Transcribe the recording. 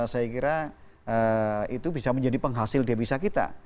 saya kira itu bisa menjadi penghasil devisa kita